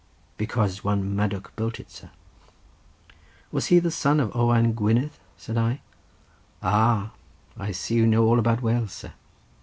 "Because one Madoc built it, sir." "Was he the son of Owain Gwynedd?" said I. "Ah, I see you know all about Wales, sir.